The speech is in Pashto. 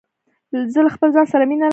زه له خپل ځان سره مینه لرم.